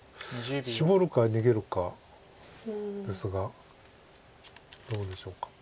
シボるか逃げるかですがどうでしょうか。